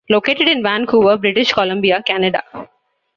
Located in Vancouver, British Columbia, Canada.